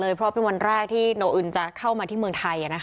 เพราะเป็นวันแรกที่โนอึนจะเข้ามาที่เมืองไทย